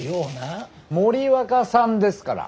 森若さんですから。